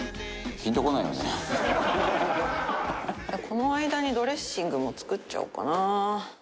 この間にドレッシングも作っちゃおうかな。